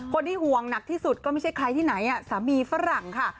คนที่ห่วงหนักที่สุดก็ไม่ใช่ใครที่ไหนสามีฝรั่งค่ะ